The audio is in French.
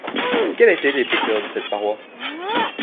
Quelle était l’épaisseur de cette paroi?